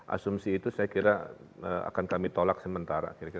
asumsi itu saya kira akan kami tolak sementara